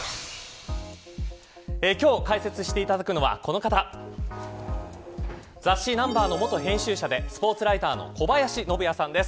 今日、解説していただくのはこの方雑誌Ｎｕｍｂｅｒの元編集者でスポーツライターの小林信也さんです。